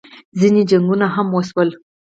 ځینې جنګونه هم وشول